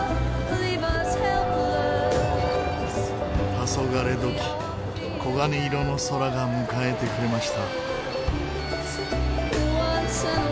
たそがれ時黄金色の空が迎えてくれました。